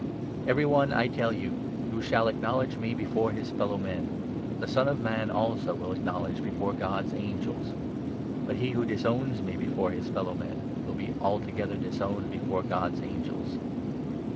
Every one, I tell you, who shall acknow ledge me before his fellow men, the Son of Man, also, will acknowledge before God's angels ; but he, who disowns me before his fellow men, will be altogether disowned before God's angels.